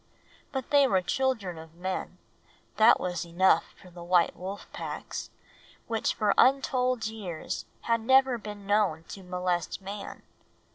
But they were children of men that was enough for the white wolf packs, which for untold years had never been known to molest a man.